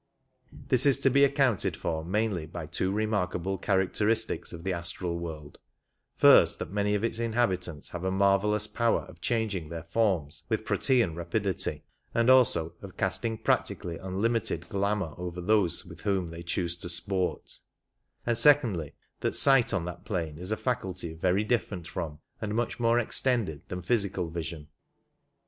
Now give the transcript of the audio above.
This is to be accounted for mainly by two remarkable characteristics of the astral world— first, that many of its inhabitants have a marvellous power of changing their forms with Protean rapidity, and also of casting practically unlimited glamour over those with whom they choose to sport ; and secondly, that sight on that plane is a faculty very different from and much more extended than physical vision.